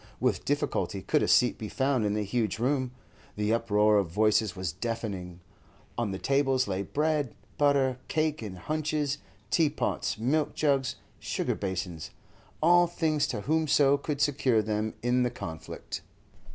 With difficulty could a seat be found in the huge room; the uproar of voices was deafening. On the tables lay bread, butter, cake in hunches, tea pots, milk jugs, sugar basins—all things to whomso could secure them in the conflict.